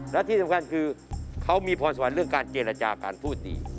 และที่สำคัญคือเขามีพรสวรรค์เรื่องการเจรจาการพูดดี